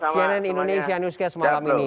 cnn indonesia newscast malam ini